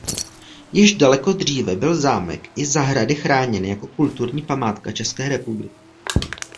Již daleko dříve byl zámek i zahrady chráněny jako kulturní památka České republiky.